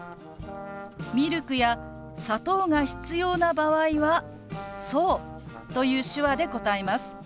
ミルクや砂糖が必要な場合は「そう」という手話で答えます。